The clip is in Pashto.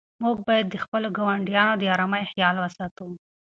موږ باید د خپلو ګاونډیانو د آرامۍ خیال وساتو.